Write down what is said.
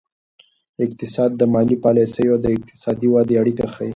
اقتصاد د مالي پالیسیو او اقتصادي ودې اړیکه ښيي.